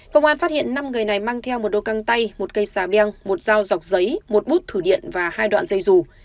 công an phát hiện năm người này mang theo một đôi căng tay một cây xà beng một dao dọc giấy một bút thử điện và hai đoạn dây dù